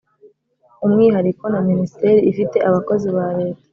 umwihariko na Minisiteri ifite abakozi ba Leta